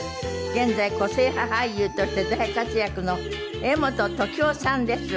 現在個性派俳優として大活躍の柄本時生さんです。